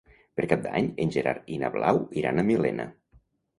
Per Cap d'Any en Gerard i na Blau iran a Millena.